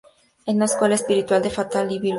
Es una secuela espiritual de "Fatal Labyrinth".